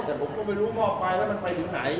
แต่ผมก็ไม่รู้ว่าไปแล้วมันไปถึงไหน